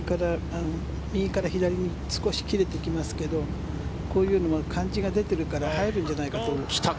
右から左に少し切れていきますがこういうのは感じが出ているから入るんじゃないかと。